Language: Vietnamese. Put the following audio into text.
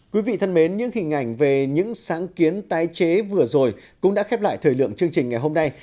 quý vị thân mến những hình ảnh về những sáng kiến tái chế vừa rồi cũng đã khép lại thời lượng chương trình ngày hôm nay